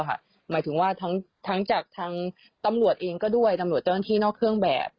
หมายถึงว่าทั้งจากทางตำรวจเองก็ด้วยตำรวจเจ้าหน้าที่นอกเครื่องแบบ